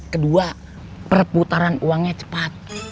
kedua perputaran uangnya cepat